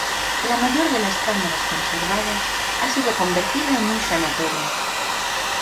La mayor de las cámaras conservadas ha sido convertida en un sanatorio.